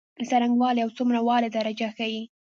د څرنګوالی او څومره والي درجه ښيي.